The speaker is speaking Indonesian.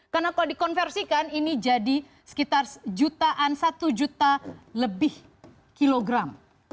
karena kalau dikonversikan ini jadi sekitar jutaan satu juta lebih kilogram